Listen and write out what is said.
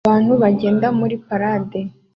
Abantu bagenda muri parade